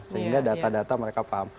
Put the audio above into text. sehingga data data mereka paham